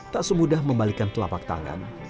tak semudah membalikan telapak tangan